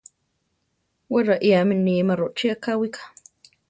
Wé raiáme níma rochí akáwika.